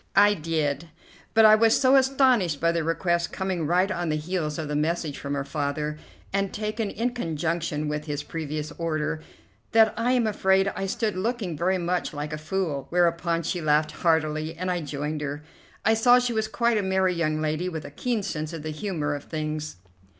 I did, but I was so astonished by the request coming right on the heels of the message from her father, and taken in conjunction with his previous order, that I am afraid I stood looking very much like a fool, whereupon she laughed heartily, and I joined her. I saw she was quite a merry young lady, with a keen sense of the humour of things.